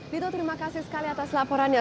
dito terima kasih sekali atas laporannya